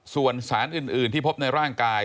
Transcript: ส่วนสารอื่นที่พบในร่างกาย